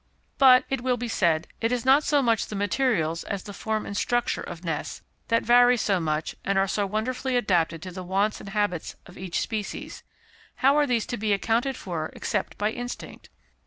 But, it will be said, it is not so much the materials as the form and structure of nests, that vary so much, and are so wonderfully adapted to the wants and habits of each species; how are these to be accounted for except by instinct?